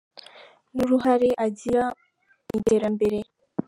n’uruhare agira mu iterambere.